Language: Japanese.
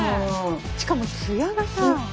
しかもツヤがさ。